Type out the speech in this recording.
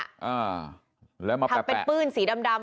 อ่าแล้วมาทำเป็นปื้นสีดำดำ